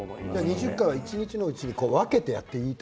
２０回は一日のうちに分けてやっていいと。